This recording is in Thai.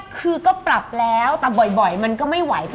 คือก็ปรับแล้วแต่บ่อยมันก็ไม่ไหวป่